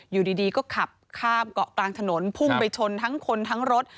อยู่ดีก็ขับข้ามเกาะกลางถนนพุ่งไปชนทั้งคนทั้งรถ